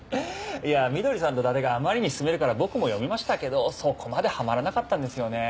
いやみどりさんと伊達があまりに勧めるから僕も読みましたけどそこまでハマらなかったんですよね。